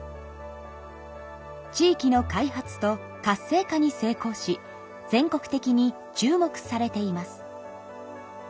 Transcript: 地域の開発と活性化に成功し全国的に注目されています。